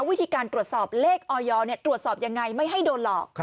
วิธีการตรวจสอบเลขออยตรวจสอบยังไงไม่ให้โดนหลอก